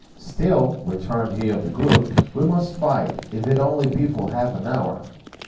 "Still," returned he of the Grove, "we must fight, if it be only for half an hour."